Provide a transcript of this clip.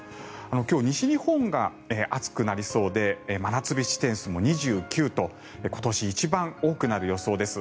今日、西日本が暑くなりそうで真夏日地点数も２９と今年一番多くなる予想です。